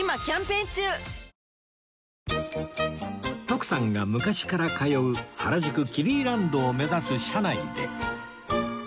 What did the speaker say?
徳さんが昔から通う原宿キデイランドを目指す車内で